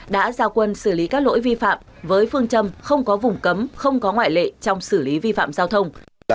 đã giao quân xử lý các lỗi vi phạm với phương châm không có vùng cấm không có ngoại lệ trong xử lý vi phạm giao thông